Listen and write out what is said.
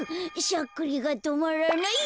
しゃっくりがとまらない。